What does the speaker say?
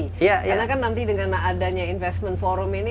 karena kan nanti dengan adanya investment forum ini